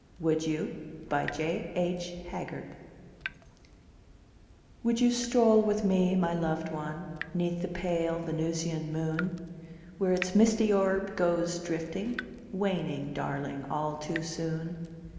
Would you stroll with me, my loved one 'Neath the pale Venusian Moon, Where its misty orb goes drifting, Waning, darling, all too soon?